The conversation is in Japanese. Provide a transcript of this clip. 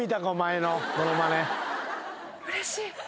うれしい。